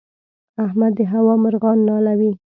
احمد د هوا مرغان نالوي.